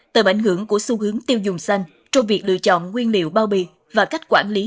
tầm ảnh hưởng của xu hướng tiêu dùng săn trong việc lựa chọn nguyên liệu bao bì và cách quản lý